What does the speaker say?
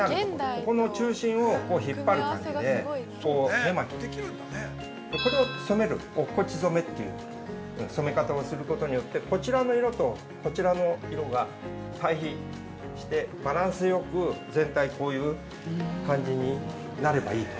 ここの中心をこう引っ張る感じで、これを染める、おっこち染めという染め方をすることによってこちらの色とこちらの色が対比して、バランスよく全体こういう感じになればいいと。